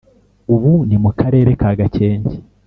ubu ni mu karere ka gakenke